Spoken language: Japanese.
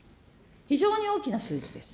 非常に大きな数字です。